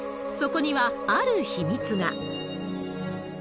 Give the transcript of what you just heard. そこにはある秘密が。